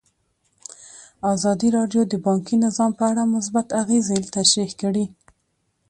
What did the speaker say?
ازادي راډیو د بانکي نظام په اړه مثبت اغېزې تشریح کړي.